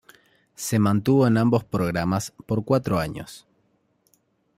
Se mantuvo en ambos programas por cuatro años.